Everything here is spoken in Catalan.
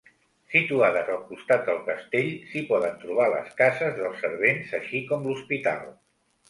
Situades al costat del castell, s'hi poden trobar les cases dels servents així com l'hospital.